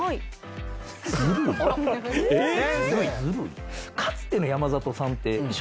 えっ？